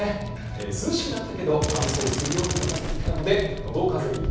涼しくなったけど乾燥するようにもなってきたのでのどかぜ気味。